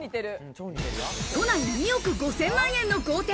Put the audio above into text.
都内２億５０００万円の豪邸。